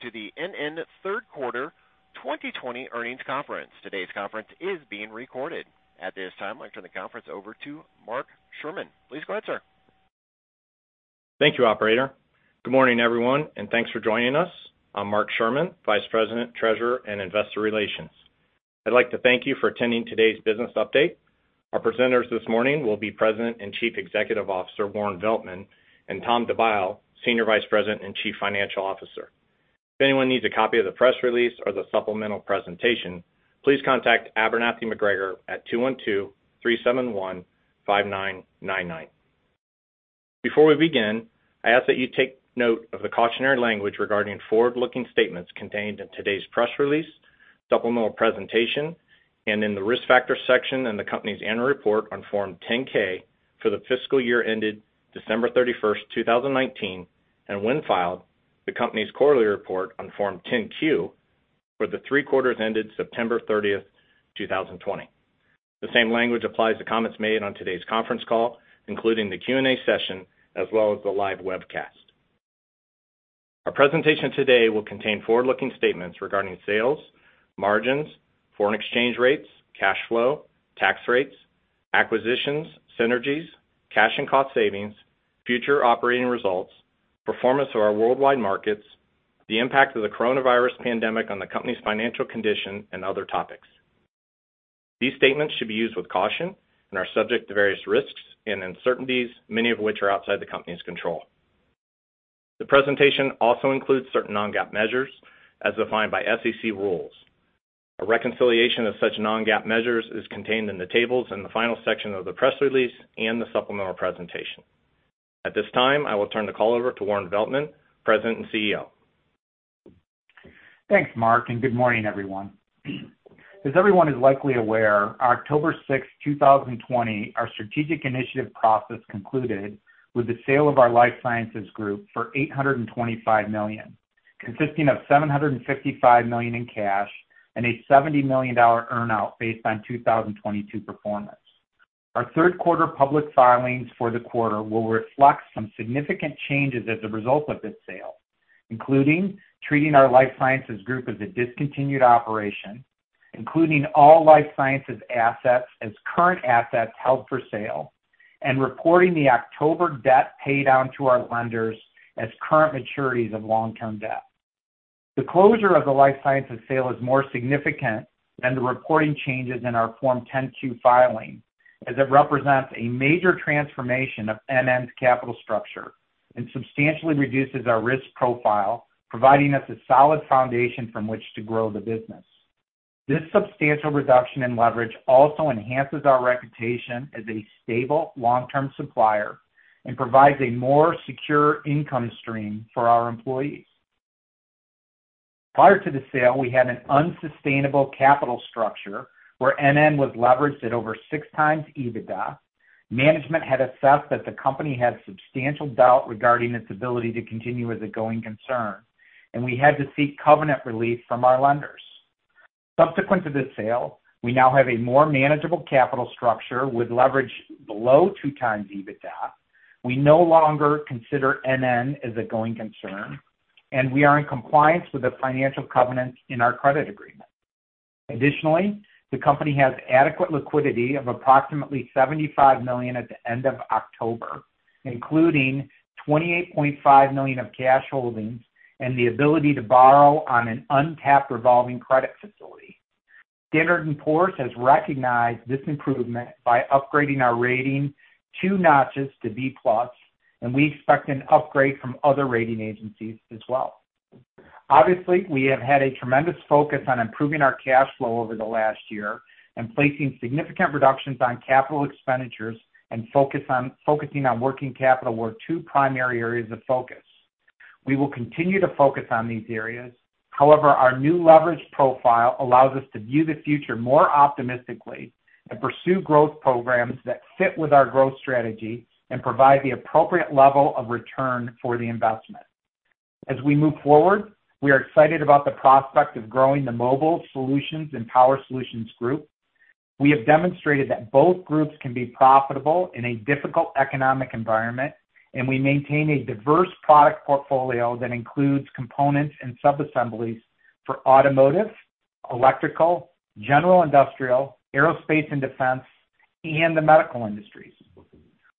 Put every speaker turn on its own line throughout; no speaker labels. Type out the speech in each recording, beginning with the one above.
Good day and welcome to the NN Third Quarter 2020 Earnings Conference. Today's conference is being recorded. At this time, I turn the conference over to Mark Schuermann. Please go ahead, sir.
Thank you, Operator. Good morning, everyone, and thanks for joining us. I'm Mark Schuermann, Vice President, Treasurer and Investor Relations. I'd like to thank you for attending today's business update. Our presenters this morning will be President and Chief Executive Officer Warren Veltman and Tom DeByle, Senior Vice President and Chief Financial Officer. If anyone needs a copy of the press release or the supplemental presentation, please contact Abernathy MacGregor at 212-371-5999. Before we begin, I ask that you take note of the cautionary language regarding forward-looking statements contained in today's press release, supplemental presentation, and in the risk factor section in the company's annual report on Form 10-K for the fiscal year ended December 31st, 2019, and when filed, the company's quarterly report on Form 10-Q for the three quarters ended September 30th, 2020. The same language applies to comments made on today's conference call, including the Q&A session, as well as the live webcast. Our presentation today will contain forward-looking statements regarding sales, margins, foreign exchange rates, cash flow, tax rates, acquisitions, synergies, cash and cost savings, future operating results, performance of our worldwide markets, the impact of the coronavirus pandemic on the company's financial condition, and other topics. These statements should be used with caution and are subject to various risks and uncertainties, many of which are outside the company's control. The presentation also includes certain non-GAAP measures as defined by SEC rules. A reconciliation of such non-GAAP measures is contained in the tables in the final section of the press release and the supplemental presentation. At this time, I will turn the call over to Warren Veltman, President and CEO.
Thanks, Mark, and good morning, everyone. As everyone is likely aware, October 6th, 2020, our strategic initiative process concluded with the sale of our life sciences group for $825 million, consisting of $755 million in cash and a $70 million earnout based on 2022 performance. Our third quarter public filings for the quarter will reflect some significant changes as a result of this sale, including treating our life sciences group as a discontinued operation, including all life sciences assets as current assets held for sale, and reporting the October debt paid out to our lenders as current maturities of long-term debt. The closure of the life sciences sale is more significant than the reporting changes in our Form 10-Q filing, as it represents a major transformation of NN's capital structure and substantially reduces our risk profile, providing us a solid foundation from which to grow the business. This substantial reduction in leverage also enhances our reputation as a stable long-term supplier and provides a more secure income stream for our employees. Prior to the sale, we had an unsustainable capital structure where NN was leveraged at over six times EBITDA. Management had assessed that the company had substantial doubt regarding its ability to continue as a going concern, and we had to seek covenant relief from our lenders. Subsequent to this sale, we now have a more manageable capital structure with leverage below two times EBITDA. We no longer consider NN as a going concern, and we are in compliance with the financial covenants in our credit agreement. Additionally, the company has adequate liquidity of approximately $75 million at the end of October, including $28.5 million of cash holdings and the ability to borrow on an untapped revolving credit facility. Standard & Poor's has recognized this improvement by upgrading our rating two notches to B+, and we expect an upgrade from other rating agencies as well. Obviously, we have had a tremendous focus on improving our cash flow over the last year and placing significant reductions on capital expenditures and focusing on working capital were two primary areas of focus. We will continue to focus on these areas. However, our new leverage profile allows us to view the future more optimistically and pursue growth programs that fit with our growth strategy and provide the appropriate level of return for the investment. As we move forward, we are excited about the prospect of growing the mobile solutions and power solutions group. We have demonstrated that both groups can be profitable in a difficult economic environment, and we maintain a diverse product portfolio that includes components and subassemblies for automotive, electrical, general industrial, aerospace and defense, and the medical industries.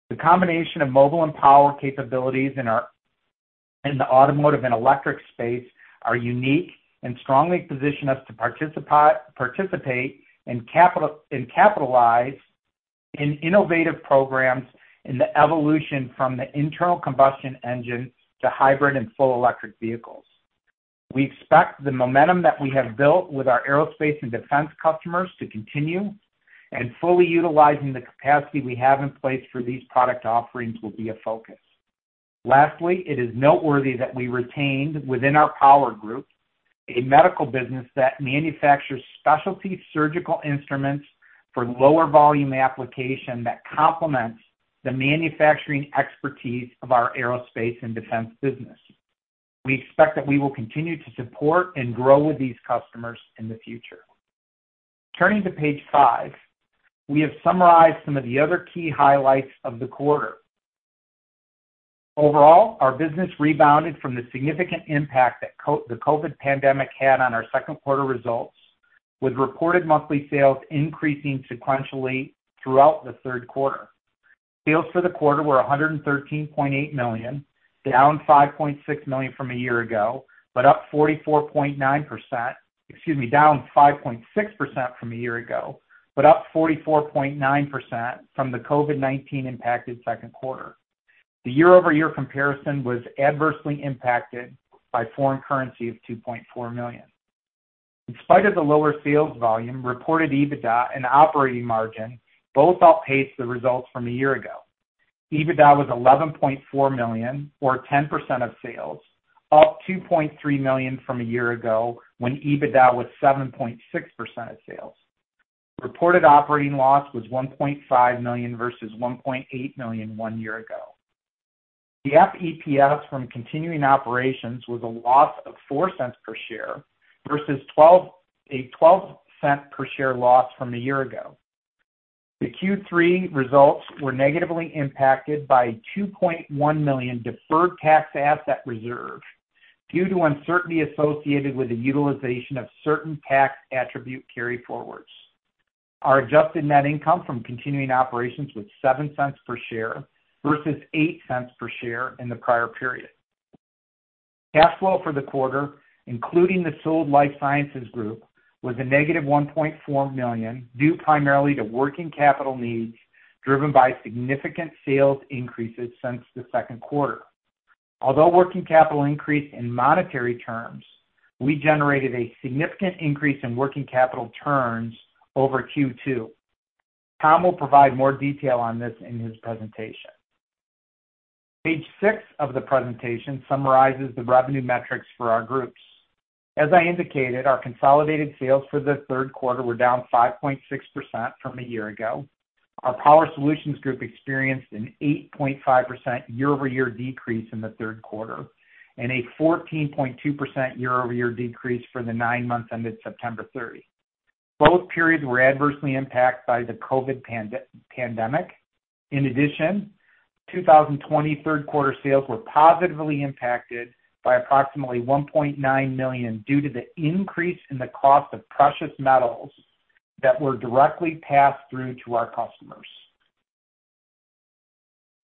The combination of mobile and power capabilities in the automotive and electric space are unique and strongly position us to participate and capitalize in innovative programs in the evolution from the internal combustion engine to hybrid and full electric vehicles. We expect the momentum that we have built with our aerospace and defense customers to continue, and fully utilizing the capacity we have in place for these product offerings will be a focus. Lastly, it is noteworthy that we retained within our power group a medical business that manufactures specialty surgical instruments for lower volume application that complements the manufacturing expertise of our aerospace and defense business. We expect that we will continue to support and grow with these customers in the future. Turning to page five, we have summarized some of the other key highlights of the quarter. Overall, our business rebounded from the significant impact that the COVID pandemic had on our second quarter results, with reported monthly sales increasing sequentially throughout the third quarter. Sales for the quarter were $113.8 million, down $5.6 million from a year ago, but up 44.9%—excuse me, down 5.6% from a year ago, but up 44.9% from the COVID-19 impacted second quarter. The year-over-year comparison was adversely impacted by foreign currency of $2.4 million. In spite of the lower sales volume, reported EBITDA and operating margin both outpaced the results from a year ago. EBITDA was $11.4 million, or 10% of sales, up $2.3 million from a year ago when EBITDA was 7.6% of sales. Reported operating loss was $1.5 million versus $1.8 million one year ago. The EPS from continuing operations was a loss of $0.04 per share versus a $0.12 per share loss from a year ago. The Q3 results were negatively impacted by a $2.1 million deferred tax asset reserve due to uncertainty associated with the utilization of certain tax attribute carry forwards. Our adjusted net income from continuing operations was $0.07 per share versus $0.08 per share in the prior period. Cash flow for the quarter, including the sold life sciences group, was a negative $1.4 million due primarily to working capital needs driven by significant sales increases since the second quarter. Although working capital increased in monetary terms, we generated a significant increase in working capital turns over Q2. Tom will provide more detail on this in his presentation. Page six of the presentation summarizes the revenue metrics for our groups. As I indicated, our consolidated sales for the third quarter were down 5.6% from a year ago. Our power solutions group experienced an 8.5% year-over-year decrease in the third quarter and a 14.2% year-over-year decrease for the nine months ended September 30. Both periods were adversely impacted by the COVID pandemic. In addition, 2020 third quarter sales were positively impacted by approximately $1.9 million due to the increase in the cost of precious metals that were directly passed through to our customers.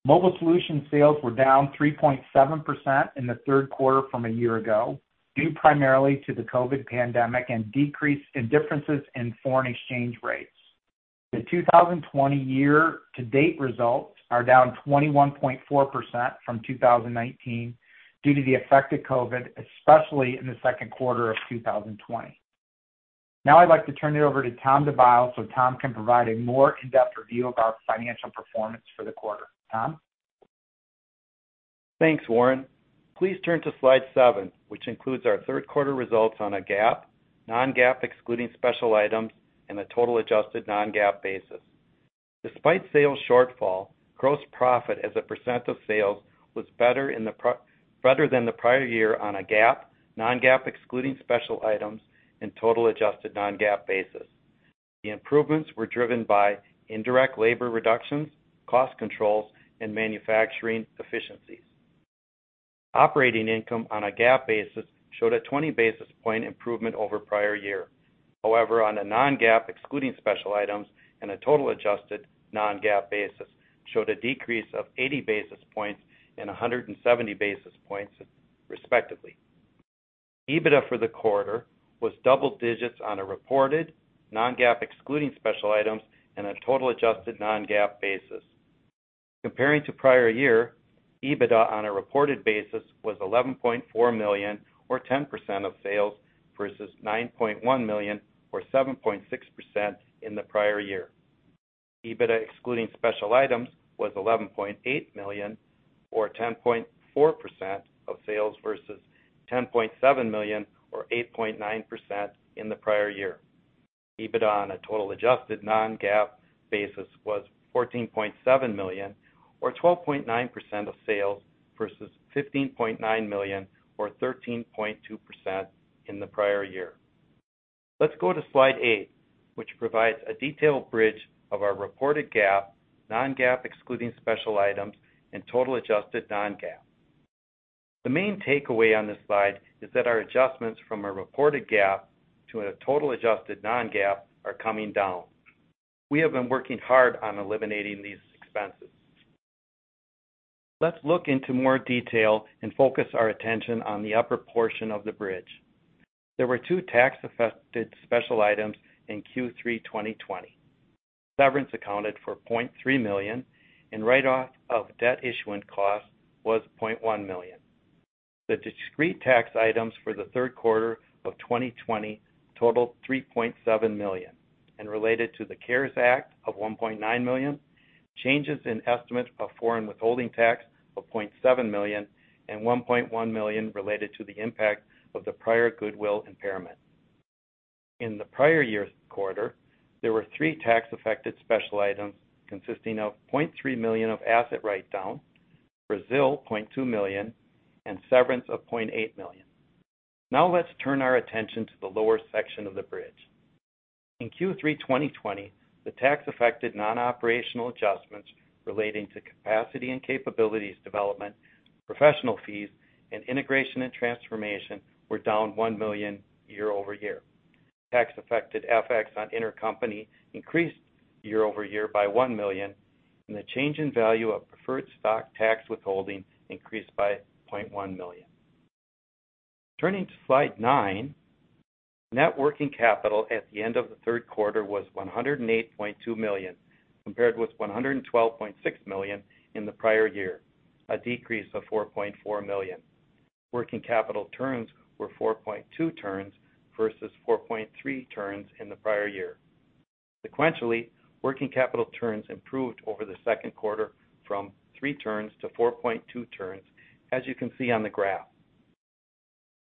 Mobile solution sales were down 3.7% in the third quarter from a year ago due primarily to the COVID pandemic and decrease in differences in foreign exchange rates. The 2020 year-to-date results are down 21.4% from 2019 due to the effect of COVID, especially in the second quarter of 2020. Now I'd like to turn it over to Tom DeByle so Tom can provide a more in-depth review of our financial performance for the quarter. Tom?
Thanks, Warren. Please turn to slide seven, which includes our third quarter results on a GAAP, non-GAAP excluding special items, and a total adjusted non-GAAP basis. Despite sales shortfall, gross profit as a percent of sales was better than the prior year on a GAAP, non-GAAP excluding special items, and total adjusted non-GAAP basis. The improvements were driven by indirect labor reductions, cost controls, and manufacturing efficiencies. Operating income on a GAAP basis showed a 20 basis point improvement over prior year. However, on a non-GAAP excluding special items and a total adjusted non-GAAP basis, it showed a decrease of 80 basis points and 170 basis points respectively. EBITDA for the quarter was double digits on a reported non-GAAP excluding special items and a total adjusted non-GAAP basis. Comparing to prior year, EBITDA on a reported basis was $11.4 million, or 10% of sales, versus $9.1 million, or 7.6% in the prior year. EBITDA excluding special items was $11.8 million, or 10.4% of sales, versus $10.7 million, or 8.9% in the prior year. EBITDA on a total adjusted non-GAAP basis was $14.7 million, or 12.9% of sales, versus $15.9 million, or 13.2% in the prior year. Let's go to slide eight, which provides a detailed bridge of our reported GAAP, non-GAAP excluding special items, and total adjusted non-GAAP. The main takeaway on this slide is that our adjustments from a reported GAAP to a total adjusted non-GAAP are coming down. We have been working hard on eliminating these expenses. Let's look into more detail and focus our attention on the upper portion of the bridge. There were two tax-affected special items in Q3 2020. Severance accounted for $0.3 million, and write-off of debt issuance costs was $0.1 million. The discrete tax items for the third quarter of 2020 totaled $3.7 million, and related to the CARES Act of $1.9 million, changes in estimate of foreign withholding tax of $0.7 million, and $1.1 million related to the impact of the prior goodwill impairment. In the prior year's quarter, there were three tax-affected special items consisting of $0.3 million of asset write-down, Brazil $0.2 million, and severance of $0.8 million. Now let's turn our attention to the lower section of the bridge. In Q3 2020, the tax-affected non-operational adjustments relating to capacity and capabilities development, professional fees, and integration and transformation were down $1 million year-over-year. Tax-affected FX on intercompany increased year-over-year by $1 million, and the change in value of preferred stock tax withholding increased by $0.1 million. Turning to slide nine, net working capital at the end of the third quarter was $108.2 million, compared with $112.6 million in the prior year, a decrease of $4.4 million. Working capital turns were 4.2 turns versus 4.3 turns in the prior year. Sequentially, working capital turns improved over the second quarter from 3 turns to 4.2 turns, as you can see on the graph.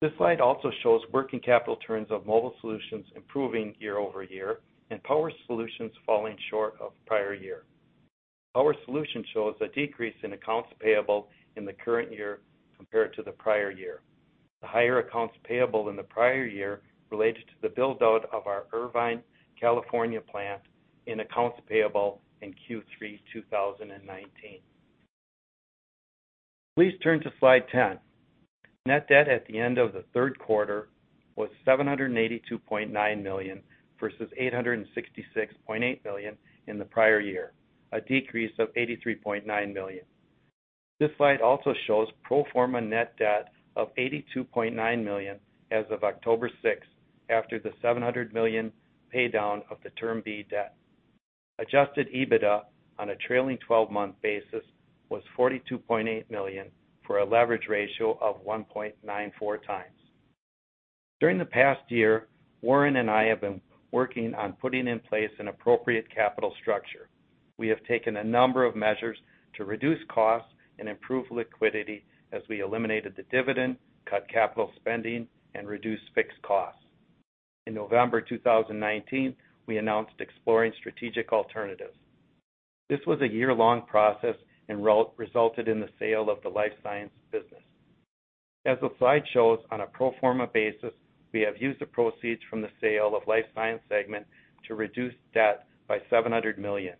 This slide also shows working capital turns of mobile solutions improving year-over-year and power solutions falling short of prior year. Power solutions shows a decrease in accounts payable in the current year compared to the prior year. The higher accounts payable in the prior year related to the build-out of our Irvine, California plant in accounts payable in Q3 2019. Please turn to slide ten. Net debt at the end of the third quarter was $782.9 million versus $866.8 million in the prior year, a decrease of $83.9 million. This slide also shows pro forma net debt of $82.9 million as of October 6th after the $700 million paydown of the term B debt. Adjusted EBITDA on a trailing 12-month basis was $42.8 million for a leverage ratio of 1.94 times. During the past year, Warren and I have been working on putting in place an appropriate capital structure. We have taken a number of measures to reduce costs and improve liquidity as we eliminated the dividend, cut capital spending, and reduced fixed costs. In November 2019, we announced exploring strategic alternatives. This was a year-long process and resulted in the sale of the life science business. As the slide shows, on a pro forma basis, we have used the proceeds from the sale of life science segment to reduce debt by $700 million.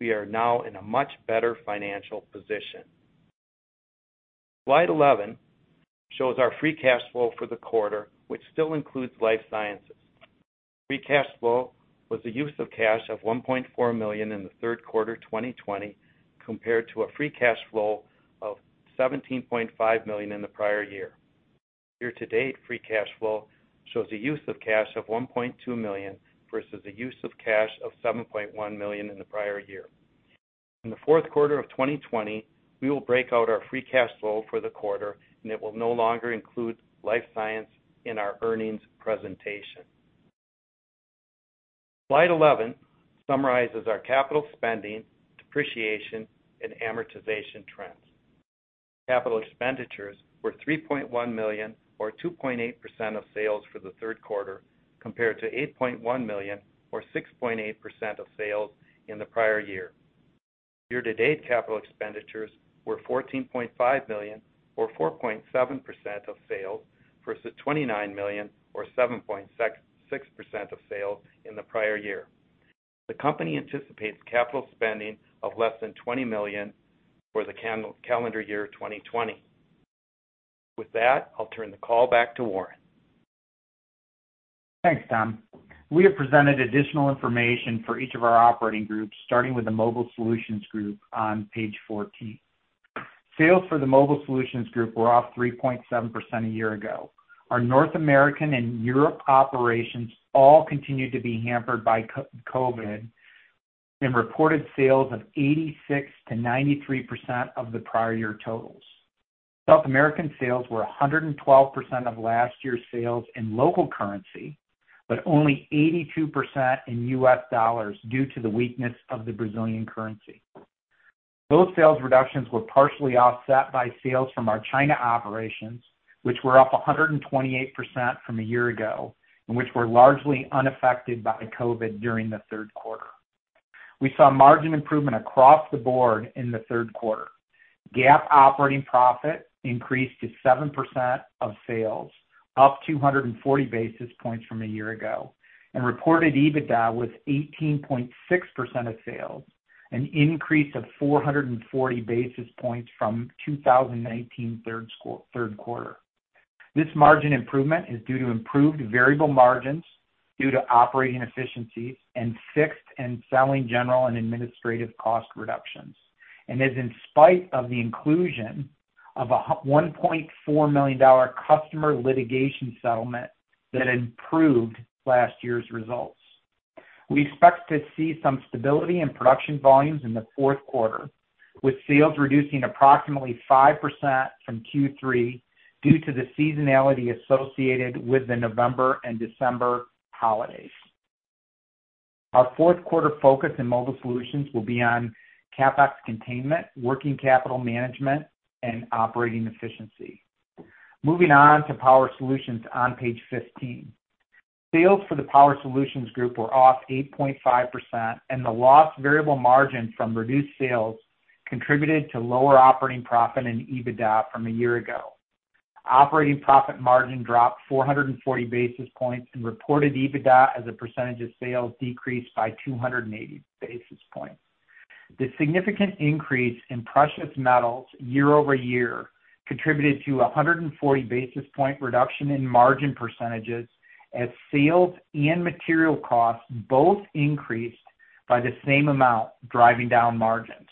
We are now in a much better financial position. Slide 11 shows our free cash flow for the quarter, which still includes life sciences. Free cash flow was a use of cash of $1.4 million in the third quarter 2020 compared to a free cash flow of $17.5 million in the prior year. Year-to-date free cash flow shows a use of cash of $1.2 million versus a use of cash of $7.1 million in the prior year. In the fourth quarter of 2020, we will break out our free cash flow for the quarter, and it will no longer include life science in our earnings presentation. Slide 11 summarizes our capital spending, depreciation, and amortization trends. Capital expenditures were $3.1 million, or 2.8% of sales for the third quarter, compared to $8.1 million, or 6.8% of sales in the prior year. Year-to-date capital expenditures were $14.5 million, or 4.7% of sales, versus $29 million, or 7.6% of sales in the prior year. The company anticipates capital spending of less than $20 million for the calendar year 2020. With that, I'll turn the call back to Warren.
Thanks, Tom. We have presented additional information for each of our operating groups, starting with the mobile solutions group on page 14. Sales for the mobile solutions group were up 3.7% a year ago. Our North American and Europe operations all continued to be hampered by COVID and reported sales of 86%-93% of the prior year totals. South American sales were 112% of last year's sales in local currency, but only 82% in US dollars due to the weakness of the Brazilian currency. Those sales reductions were partially offset by sales from our China operations, which were up 128% from a year ago, and which were largely unaffected by COVID during the third quarter. We saw margin improvement across the board in the third quarter. GAAP operating profit increased to 7% of sales, up 240 basis points from a year ago, and reported EBITDA was 18.6% of sales, an increase of 440 basis points from 2019 third quarter. This margin improvement is due to improved variable margins due to operating efficiencies and fixed and selling general and administrative cost reductions, and is in spite of the inclusion of a $1.4 million customer litigation settlement that improved last year's results. We expect to see some stability in production volumes in the fourth quarter, with sales reducing approximately 5% from Q3 due to the seasonality associated with the November and December holidays. Our fourth quarter focus in mobile solutions will be on CapEx containment, working capital management, and operating efficiency. Moving on to power solutions on page 15. Sales for the power solutions group were off 8.5%, and the lost variable margin from reduced sales contributed to lower operating profit and EBITDA from a year ago. Operating profit margin dropped 440 basis points and reported EBITDA as a percentage of sales decreased by 280 basis points. The significant increase in precious metals year-over-year contributed to a 140 basis point reduction in margin percentages as sales and material costs both increased by the same amount, driving down margins.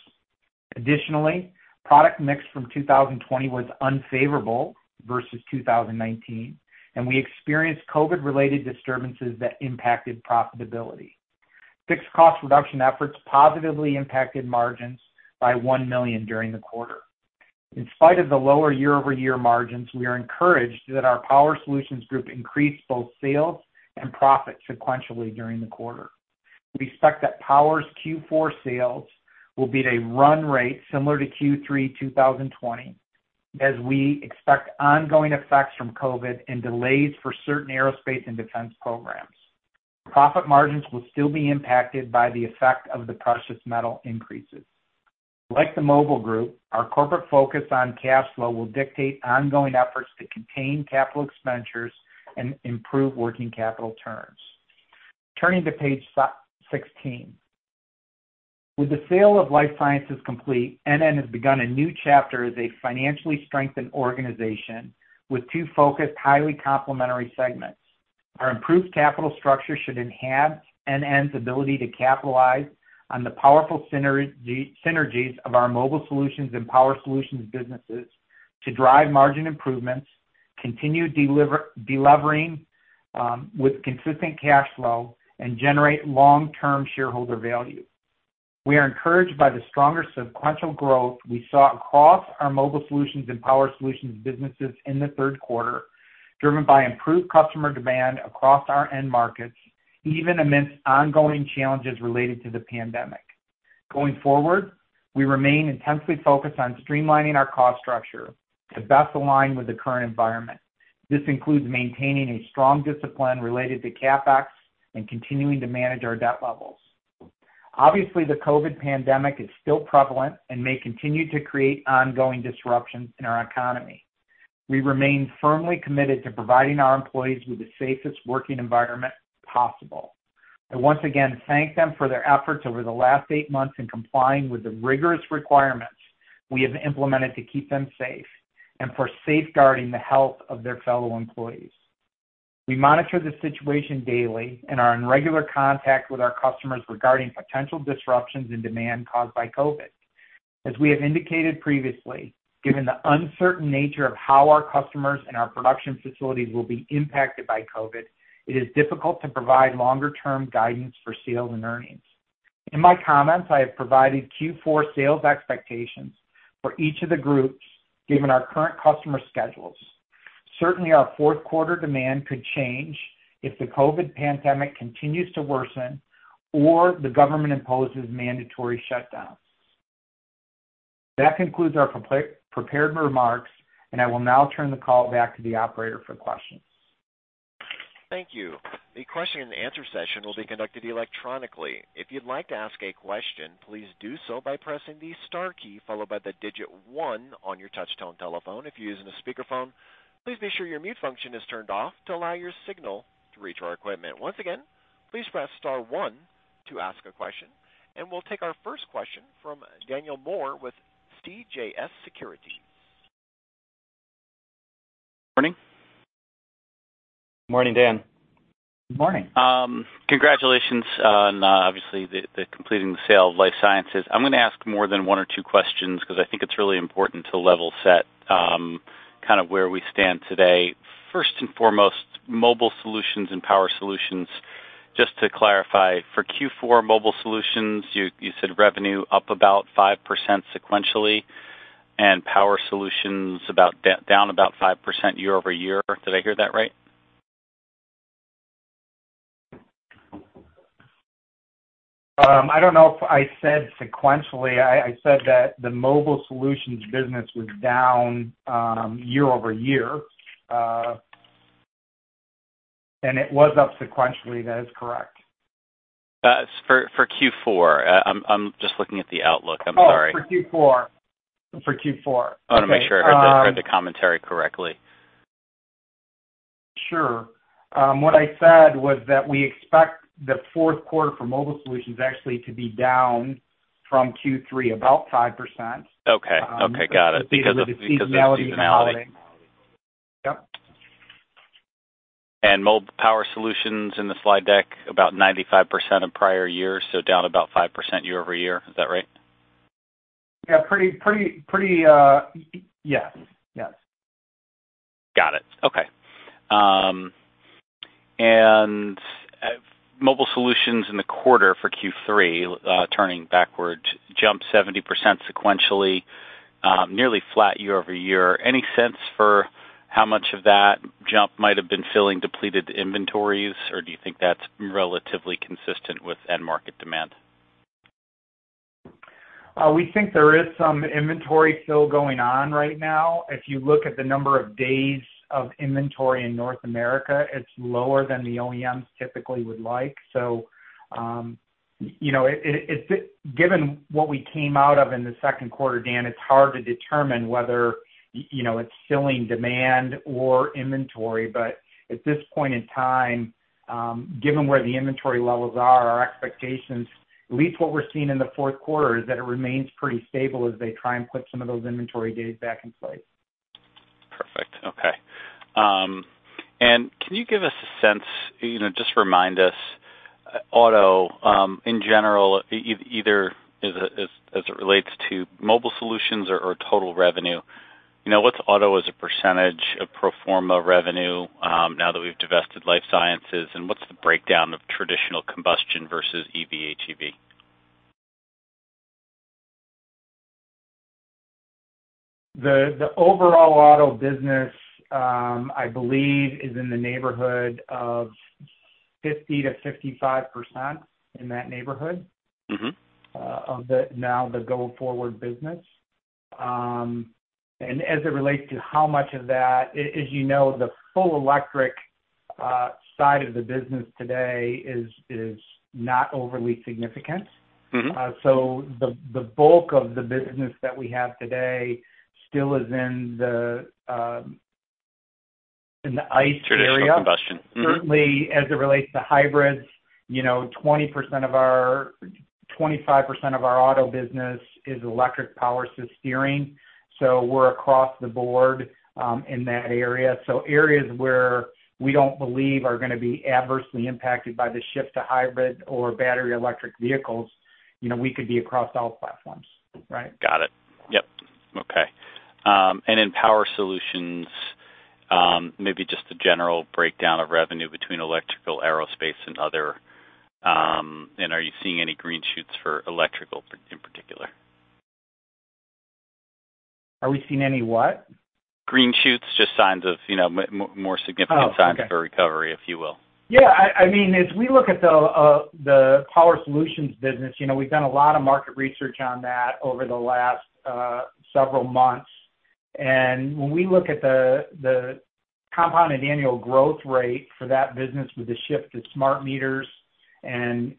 Additionally, product mix from 2020 was unfavorable versus 2019, and we experienced COVID-related disturbances that impacted profitability. Fixed cost reduction efforts positively impacted margins by $1 million during the quarter. In spite of the lower year-over-year margins, we are encouraged that our power solutions group increased both sales and profit sequentially during the quarter. We expect that power's Q4 sales will be at a run rate similar to Q3 2020, as we expect ongoing effects from COVID and delays for certain aerospace and defense programs. Profit margins will still be impacted by the effect of the precious metal increases. Like the mobile group, our corporate focus on cash flow will dictate ongoing efforts to contain capital expenditures and improve working capital terms. Turning to page 16. With the sale of life sciences complete, NN has begun a new chapter as a financially strengthened organization with two focused highly complementary segments. Our improved capital structure should enhance NN's ability to capitalize on the powerful synergies of our mobile solutions and power solutions businesses to drive margin improvements, continue delivering with consistent cash flow, and generate long-term shareholder value. We are encouraged by the stronger sequential growth we saw across our mobile solutions and power solutions businesses in the third quarter, driven by improved customer demand across our end markets, even amidst ongoing challenges related to the pandemic. Going forward, we remain intensely focused on streamlining our cost structure to best align with the current environment. This includes maintaining a strong discipline related to CapEx and continuing to manage our debt levels. Obviously, the COVID pandemic is still prevalent and may continue to create ongoing disruptions in our economy. We remain firmly committed to providing our employees with the safest working environment possible. I once again thank them for their efforts over the last eight months in complying with the rigorous requirements we have implemented to keep them safe and for safeguarding the health of their fellow employees. We monitor the situation daily and are in regular contact with our customers regarding potential disruptions in demand caused by COVID. As we have indicated previously, given the uncertain nature of how our customers and our production facilities will be impacted by COVID, it is difficult to provide longer-term guidance for sales and earnings. In my comments, I have provided Q4 sales expectations for each of the groups given our current customer schedules. Certainly, our fourth quarter demand could change if the COVID pandemic continues to worsen or the government imposes mandatory shutdowns. That concludes our prepared remarks, and I will now turn the call back to the operator for questions.
Thank you. The question and answer session will be conducted electronically. If you'd like to ask a question, please do so by pressing the star key followed by the digit one on your touch-tone telephone. If you're using a speakerphone, please be sure your mute function is turned off to allow your signal to reach our equipment. Once again, please press star one to ask a question, and we'll take our first question from Daniel Moore with CJS Securities.
Morning.
Good morning, Dan.
Good morning.
Congratulations on, obviously, completing the sale of life sciences. I'm going to ask more than one or two questions because I think it's really important to level set kind of where we stand today. First and foremost, mobile solutions and power solutions, just to clarify, for Q4 mobile solutions, you said revenue up about 5% sequentially and power solutions down about 5% year-over-year. Did I hear that right?
I don't know if I said sequentially. I said that the mobile solutions business was down year-over-year, and it was up sequentially. That is correct.
For Q4, I'm just looking at the outlook. I'm sorry.
Oh, for Q4. For Q4,
I want to make sure I heard the commentary correctly.
Sure. What I said was that we expect the fourth quarter for mobile solutions actually to be down from Q3 about 5%.
Okay. Okay. Got it. Because of seasonality.
Yep.
Power solutions in the slide deck about 95% of prior year, so down about 5% year-over-year. Is that right?
Yeah. Pretty yes. Yes.
Got it. Okay. Mobile solutions in the quarter for Q3, turning backwards, jumped 70% sequentially, nearly flat year-over-year. Any sense for how much of that jump might have been filling depleted inventories, or do you think that's relatively consistent with end market demand?
We think there is some inventory still going on right now. If you look at the number of days of inventory in North America, it's lower than the OEMs typically would like. Given what we came out of in the second quarter, Dan, it's hard to determine whether it's filling demand or inventory. At this point in time, given where the inventory levels are, our expectations, at least what we're seeing in the fourth quarter, is that it remains pretty stable as they try and put some of those inventory days back in place.
Perfect. Okay. Can you give us a sense just to remind us, auto in general, either as it relates to mobile solutions or total revenue, what's auto as a percentage of pro forma revenue now that we've divested life sciences? What's the breakdown of traditional combustion versus EV, HEV?
The overall auto business, I believe, is in the neighborhood of 50%-55% in that neighborhood of now the go-forward business. As it relates to how much of that, as you know, the full electric side of the business today is not overly significant. The bulk of the business that we have today still is in the ICE area.
Traditional combustion.
Certainly, as it relates to hybrids, 20% of our 25% of our auto business is electric power-assist steering. We are across the board in that area. Areas where we do not believe are going to be adversely impacted by the shift to hybrid or battery electric vehicles, we could be across all platforms, right?
Got it. Yep. Okay. In power solutions, maybe just a general breakdown of revenue between electrical, aerospace, and other. Are you seeing any green shoots for electrical in particular?
Are we seeing any what?
Green shoots, just signs of more significant signs for recovery, if you will.
Yeah. I mean, as we look at the power solutions business, we've done a lot of market research on that over the last several months. When we look at the compounded annual growth rate for that business with the shift to smart meters and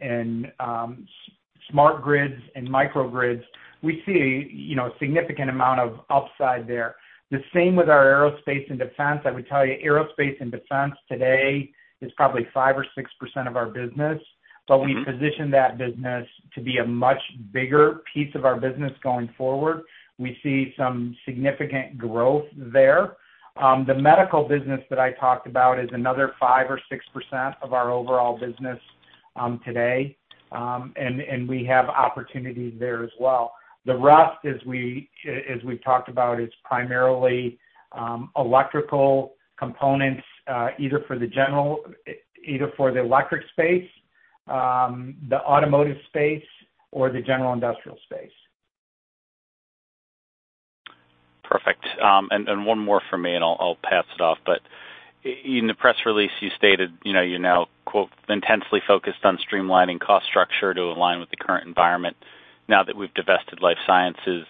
smart grids and microgrids, we see a significant amount of upside there. The same with our aerospace and defense. I would tell you aerospace and defense today is probably 5% or 6% of our business, but we position that business to be a much bigger piece of our business going forward. We see some significant growth there. The medical business that I talked about is another 5% or 6% of our overall business today, and we have opportunities there as well. The rest, as we've talked about, is primarily electrical components either for the electric space, the automotive space, or the general industrial space.
Perfect. One more for me, and I'll pass it off. In the press release, you stated you're now "intensely focused on streamlining cost structure to align with the current environment now that we've divested life sciences."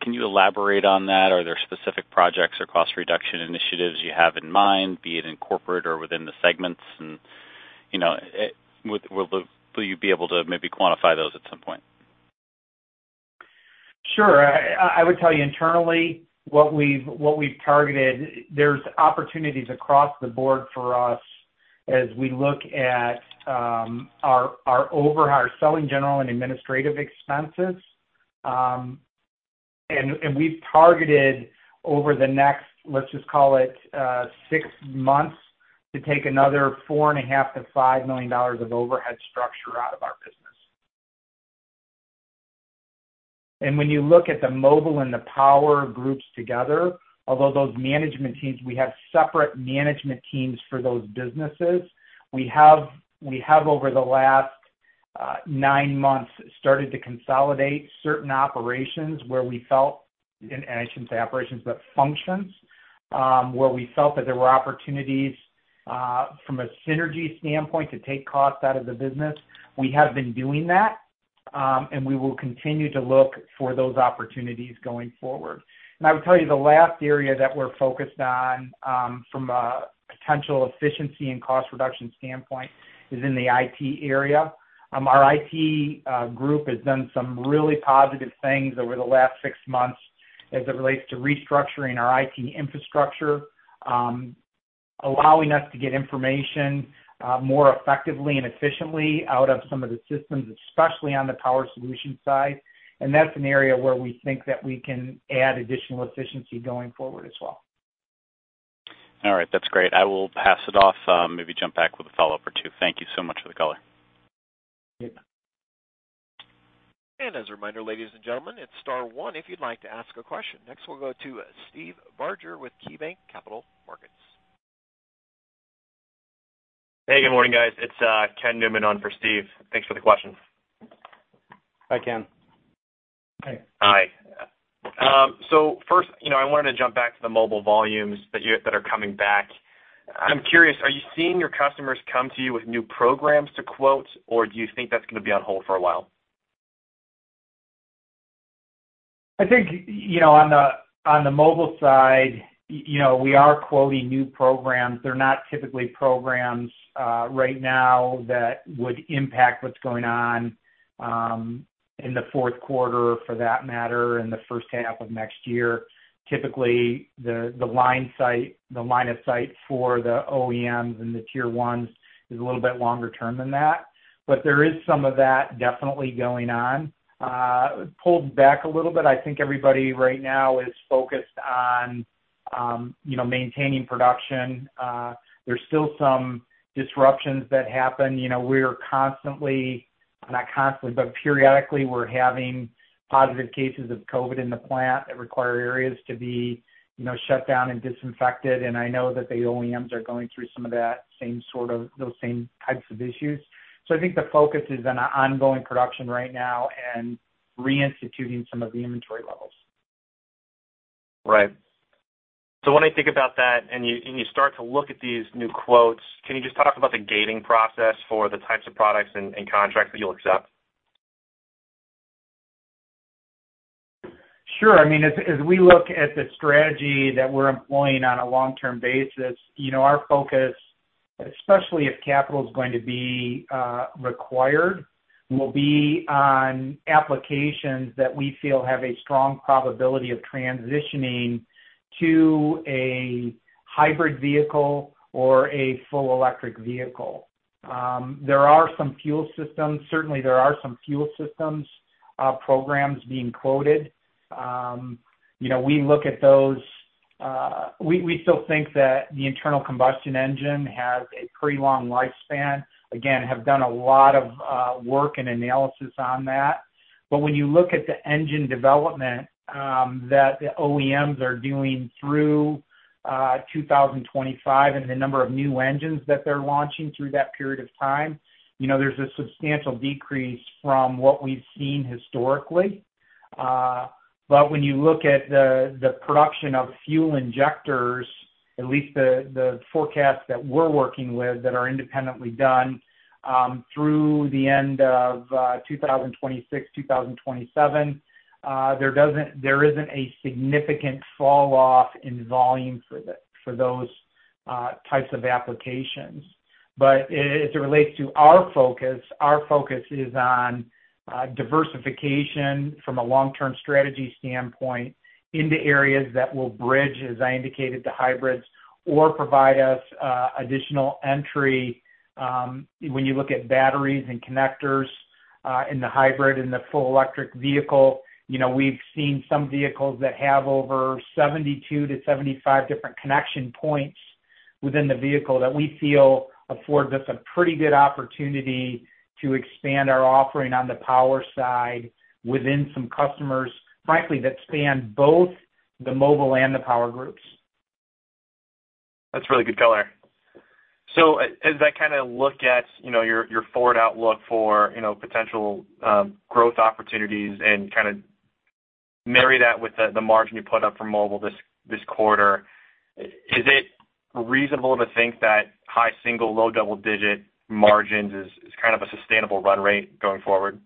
Can you elaborate on that? Are there specific projects or cost reduction initiatives you have in mind, be it in corporate or within the segments? Will you be able to maybe quantify those at some point?
Sure. I would tell you internally what we've targeted. There are opportunities across the board for us as we look at our selling, general, and administrative expenses. We have targeted over the next, let's just call it, six months to take another $4.5 million-$5 million of overhead structure out of our business. When you look at the mobile and the power groups together, although those management teams, we have separate management teams for those businesses. We have, over the last nine months, started to consolidate certain operations where we felt—I should not say operations, but functions—where we felt that there were opportunities from a synergy standpoint to take cost out of the business. We have been doing that, and we will continue to look for those opportunities going forward. I would tell you the last area that we're focused on from a potential efficiency and cost reduction standpoint is in the IT area. Our IT group has done some really positive things over the last six months as it relates to restructuring our IT infrastructure, allowing us to get information more effectively and efficiently out of some of the systems, especially on the power solution side. That's an area where we think that we can add additional efficiency going forward as well.
All right. That's great. I will pass it off. Maybe jump back with a follow-up or two. Thank you so much for the call.
Thank you.
As a reminder, ladies and gentlemen, it is star one if you'd like to ask a question. Next, we will go to Steve Barger with KeyBanc Capital Markets.
Hey, good morning, guys. It's Ken Newman on for Steve. Thanks for the question.
Hi, Ken.
Hi. First, I wanted to jump back to the mobile volumes that are coming back. I'm curious, are you seeing your customers come to you with new programs to quote, or do you think that's going to be on hold for a while?
I think on the mobile side, we are quoting new programs. They're not typically programs right now that would impact what's going on in the fourth quarter, for that matter, in the first half of next year. Typically, the line of sight for the OEMs and the tier ones is a little bit longer term than that. There is some of that definitely going on. Pulled back a little bit. I think everybody right now is focused on maintaining production. There's still some disruptions that happen. We're constantly—not constantly, but periodically—we're having positive cases of COVID in the plant that require areas to be shut down and disinfected. I know that the OEMs are going through some of those same types of issues. I think the focus is on ongoing production right now and reinstituting some of the inventory levels.
Right. When I think about that and you start to look at these new quotes, can you just talk about the gating process for the types of products and contracts that you'll accept?
Sure. I mean, as we look at the strategy that we're employing on a long-term basis, our focus, especially if capital is going to be required, will be on applications that we feel have a strong probability of transitioning to a hybrid vehicle or a full electric vehicle. There are some fuel systems—certainly, there are some fuel systems programs being quoted. We look at those. We still think that the internal combustion engine has a pretty long lifespan. Again, have done a lot of work and analysis on that. When you look at the engine development that the OEMs are doing through 2025 and the number of new engines that they're launching through that period of time, there's a substantial decrease from what we've seen historically. When you look at the production of fuel injectors, at least the forecast that we're working with that are independently done through the end of 2026, 2027, there isn't a significant falloff in volume for those types of applications. As it relates to our focus, our focus is on diversification from a long-term strategy standpoint into areas that will bridge, as I indicated, the hybrids or provide us additional entry. When you look at batteries and connectors in the hybrid and the full electric vehicle, we've seen some vehicles that have over 72-75 different connection points within the vehicle that we feel afford us a pretty good opportunity to expand our offering on the power side within some customers, frankly, that span both the mobile and the power groups.
That's really good color. As I kind of look at your forward outlook for potential growth opportunities and kind of marry that with the margin you put up for mobile this quarter, is it reasonable to think that high single, low double-digit margins is kind of a sustainable run rate going forward?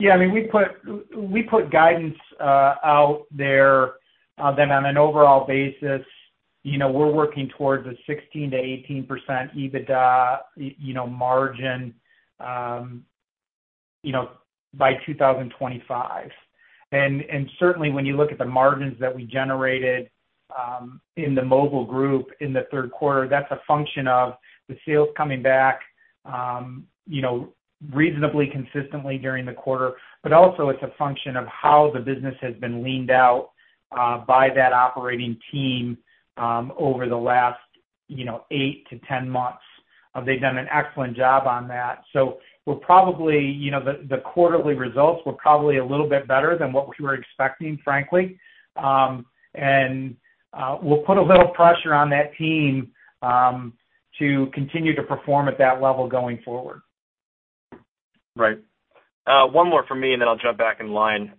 Yeah. I mean, we put guidance out there that on an overall basis, we're working towards a 16%-18% EBITDA margin by 2025. Certainly, when you look at the margins that we generated in the mobile group in the third quarter, that's a function of the sales coming back reasonably consistently during the quarter. It is also a function of how the business has been leaned out by that operating team over the last 8-10 months. They've done an excellent job on that. We're probably the quarterly results were probably a little bit better than what we were expecting, frankly. We'll put a little pressure on that team to continue to perform at that level going forward.
Right. One more from me, and then I'll jump back in line.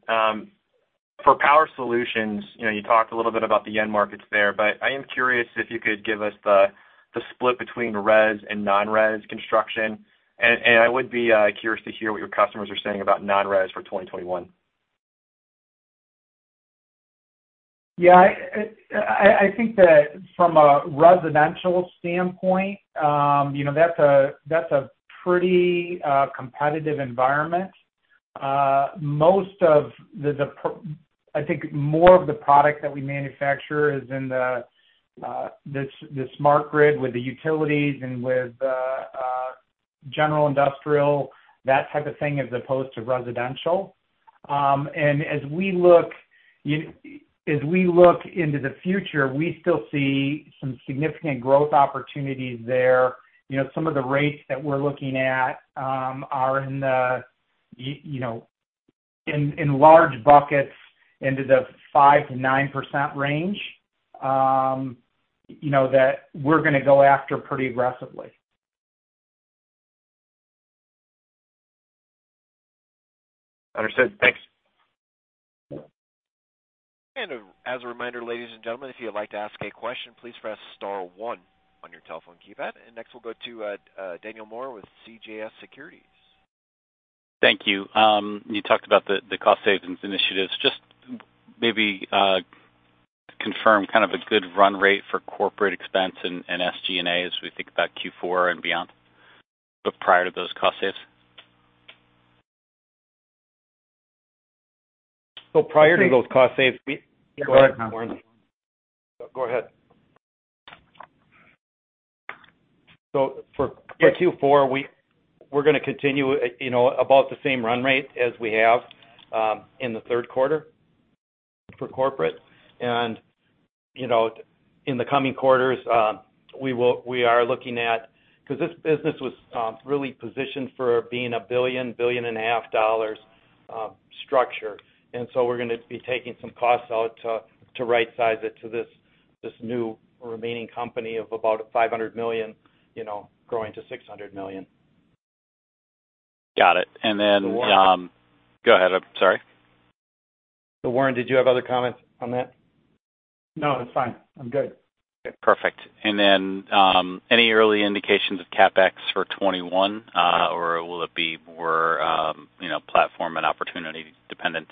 For power solutions, you talked a little bit about the end markets there, but I am curious if you could give us the split between res and non-res construction. I would be curious to hear what your customers are saying about non-res for 2021.
Yeah. I think that from a residential standpoint, that's a pretty competitive environment. Most of the—I think more of the product that we manufacture is in the smart grid with the utilities and with general industrial, that type of thing, as opposed to residential. As we look into the future, we still see some significant growth opportunities there. Some of the rates that we're looking at are in large buckets into the 5%-9% range that we're going to go after pretty aggressively.
Understood. Thanks.
As a reminder, ladies and gentlemen, if you'd like to ask a question, please press star one on your telephone keypad. Next, we'll go to Daniel Moore with CJS Securities.
Thank you. You talked about the cost savings initiatives. Just maybe confirm kind of a good run rate for corporate expense and SG&A as we think about Q4 and beyond, but prior to those cost saves.
Prior to those cost saves.
Go ahead, Ken.
Go ahead. For Q4, we're going to continue about the same run rate as we have in the third quarter for corporate. In the coming quarters, we are looking at—because this business was really positioned for being a billion, billion and a half dollars structure. We are going to be taking some costs out to right-size it to this new remaining company of about $500 million, growing to $600 million.
Got it. Then.
Warren.
Go ahead. I'm sorry.
Warren, did you have other comments on that?
No, that's fine. I'm good.
Okay. Perfect. Any early indications of CapEx for 2021, or will it be more platform and opportunity dependent?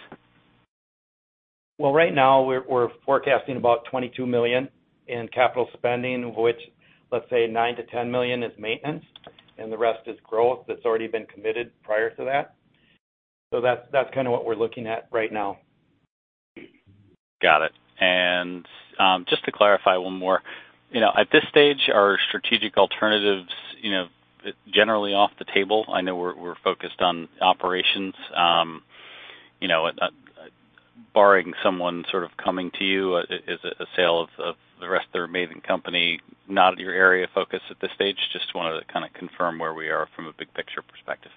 Right now, we're forecasting about $22 million in capital spending, of which, let's say, $9-$10 million is maintenance, and the rest is growth that's already been committed prior to that. That's kind of what we're looking at right now.
Got it. Just to clarify one more. At this stage, are strategic alternatives generally off the table? I know we're focused on operations. Barring someone sort of coming to you as a sale of the rest of their amazing company, not your area of focus at this stage. Just wanted to kind of confirm where we are from a big-picture perspective.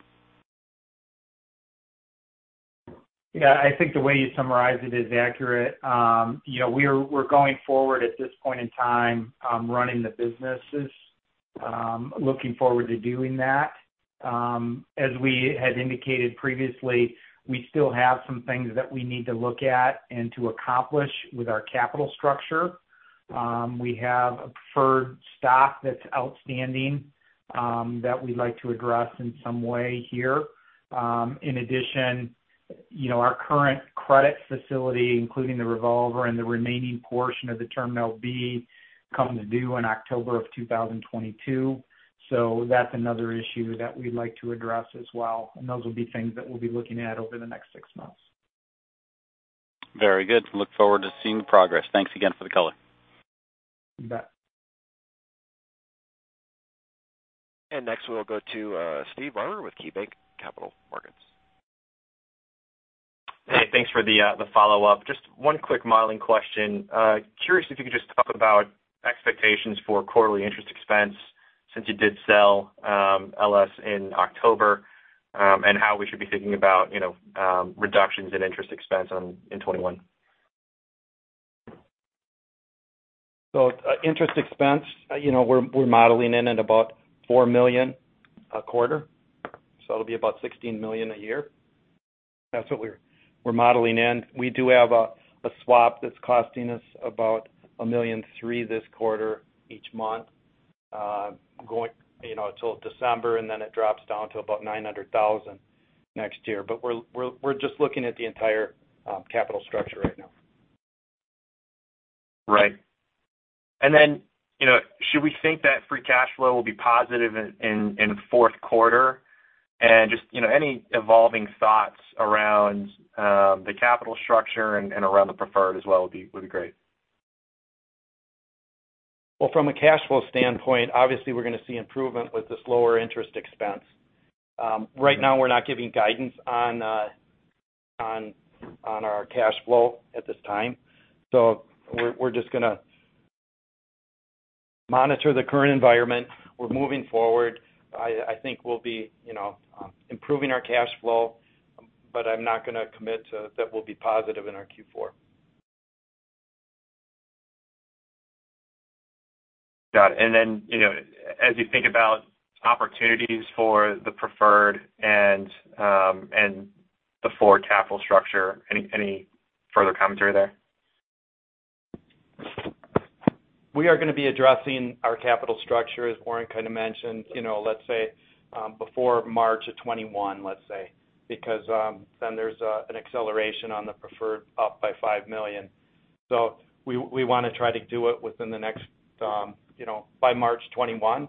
Yeah. I think the way you summarized it is accurate. We're going forward at this point in time running the businesses, looking forward to doing that. As we had indicated previously, we still have some things that we need to look at and to accomplish with our capital structure. We have a preferred stock that's outstanding that we'd like to address in some way here. In addition, our current credit facility, including the revolver and the remaining portion of the Term Loan B, come due in October of 2022. That is another issue that we'd like to address as well. Those will be things that we'll be looking at over the next six months.
Very good. Look forward to seeing the progress. Thanks again for the color.
You bet.
Next, we'll go to Steve Barger with KeyBanc Capital Markets.
Hey, thanks for the follow-up. Just one quick modeling question. Curious if you could just talk about expectations for quarterly interest expense since you did sell LS in October and how we should be thinking about reductions in interest expense in 2021.
Interest expense, we're modeling in at about $4 million a quarter. It'll be about $16 million a year. That's what we're modeling in. We do have a swap that's costing us about $1.3 million this quarter each month until December, and then it drops down to about $900,000 next year. We're just looking at the entire capital structure right now.
Right. Should we think that free cash flow will be positive in fourth quarter? Just any evolving thoughts around the capital structure and around the preferred as well would be great.
From a cash flow standpoint, obviously, we're going to see improvement with this lower interest expense. Right now, we're not giving guidance on our cash flow at this time. We're just going to monitor the current environment. We're moving forward. I think we'll be improving our cash flow, but I'm not going to commit to that we'll be positive in our Q4.
Got it. As you think about opportunities for the preferred and the forward capital structure, any further commentary there?
We are going to be addressing our capital structure, as Warren kind of mentioned, let's say, before March of 2021, let's say, because then there's an acceleration on the preferred up by $5 million. We want to try to do it within the next by March 2021.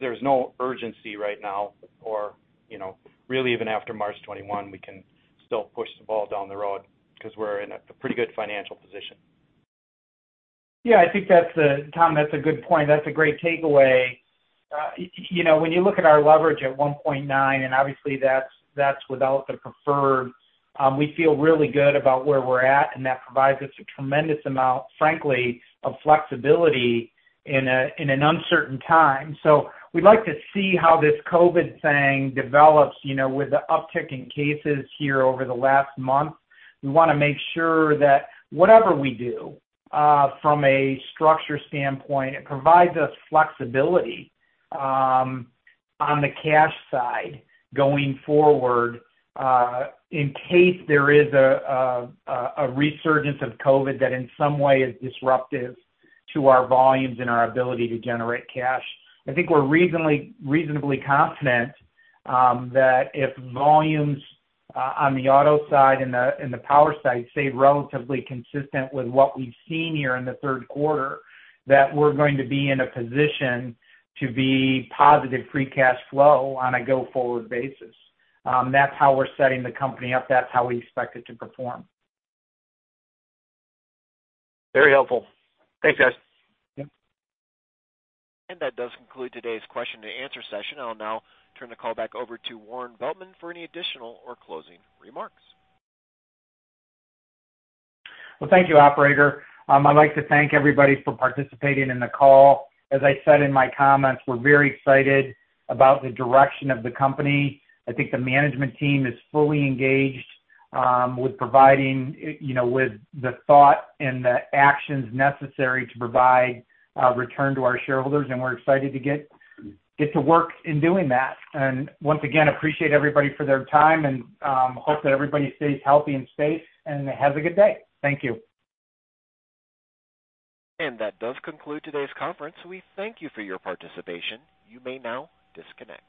There is no urgency right now, or really, even after March 2021, we can still push the ball down the road because we're in a pretty good financial position.
Yeah. I think, Tom, that's a good point. That's a great takeaway. When you look at our leverage at 1.9, and obviously, that's without the preferred, we feel really good about where we're at, and that provides us a tremendous amount, frankly, of flexibility in an uncertain time. We'd like to see how this COVID thing develops with the uptick in cases here over the last month. We want to make sure that whatever we do, from a structure standpoint, it provides us flexibility on the cash side going forward in case there is a resurgence of COVID that in some way is disruptive to our volumes and our ability to generate cash. I think we're reasonably confident that if volumes on the auto side and the power side stay relatively consistent with what we've seen here in the third quarter, that we're going to be in a position to be positive free cash flow on a go-forward basis. That's how we're setting the company up. That's how we expect it to perform.
Very helpful. Thanks, guys.
Yep.
That does conclude today's question-and-answer session. I'll now turn the call back over to Warren Veltman for any additional or closing remarks.
Thank you, Operator. I'd like to thank everybody for participating in the call. As I said in my comments, we're very excited about the direction of the company. I think the management team is fully engaged with providing with the thought and the actions necessary to provide return to our shareholders, and we're excited to get to work in doing that. Once again, appreciate everybody for their time and hope that everybody stays healthy and safe and has a good day. Thank you.
That does conclude today's conference. We thank you for your participation. You may now disconnect.